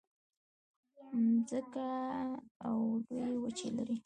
مځکه اوه لویې وچې لري.